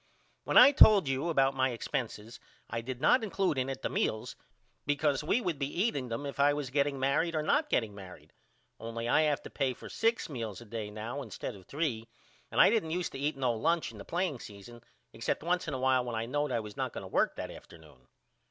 When I told you about my expenses I did not include in it the meals because we would be eating them if I was getting married or not getting married only I have to pay for six meals a day now instead of three and I didn't used to eat no lunch in the playing season except once in a while when I knowed I was not going to work that afternoon.